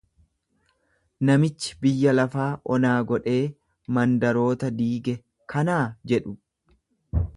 Namichi biyya lafaa onaa godhee, mandaroota diige kanaa? jedhu.